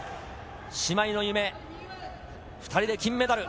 姉妹の夢、２人で金メダル。